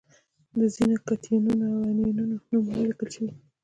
د ځینو کتیونونو او انیونونو نومونه لیکل شوي دي.